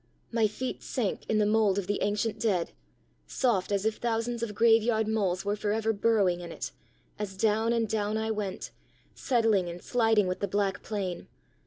My feet sank in the mould of the ancient dead, soft as if thousands of graveyard moles were for ever burrowing in it, as down and down I went, settling and sliding with the black plane.